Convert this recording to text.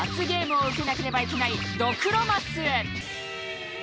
ゲームを受けなければいけないドクロマスへ。